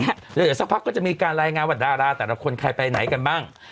เดี๋ยวเดี๋ยวสักพักทุกคนก็จะมีการรายงานวัฒน์ดาราแต่ละคนใครไปไหนกันบ้าง